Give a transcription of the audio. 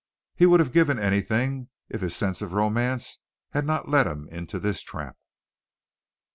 He would have given anything if his sense of romance had not led him into this trap.